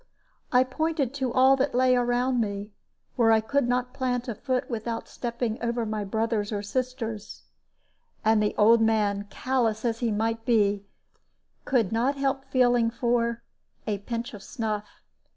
I pointed to all that lay around me, where I could not plant a foot without stepping over my brothers or sisters; and the old man, callous as he might be, could not help feeling for a pinch of snuff.